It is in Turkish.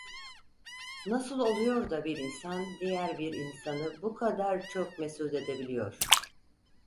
Nasıl oluyor da bir insan diğer bir insanı bu kadar çok mesut edebiliyor?